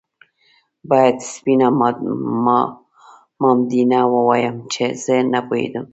باید سپينه مامدينه ووايم چې زه نه پوهېدم